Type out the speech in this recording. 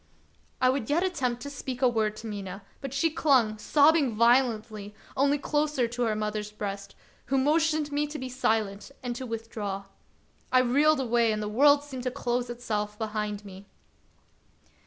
I would yet attempt to speak a word to Mina, but she clung, sobbing violently, only closer to her mother's breast, who motioned me to be silent and to withdraw. I reeled away, and the world seemed to close itself behind me.